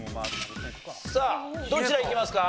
さあどちらいきますか？